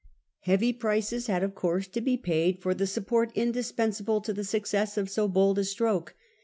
Heavy prices had of course to be paid for the support indispensable to the success of so bold a stroke.